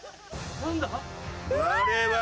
何だ？